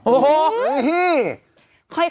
โอ้โฮไอ้พี่